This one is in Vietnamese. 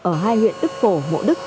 ở hai huyện đức phổ mộ đức